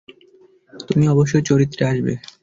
তুমি অবশ্যই চরিত্রে আসবে।